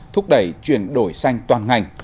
thúc đẩy chuyển đổi doanh nghiệp